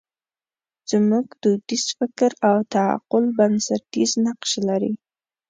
زموږ دودیز فکر او تعقل بنسټیز نقش لري.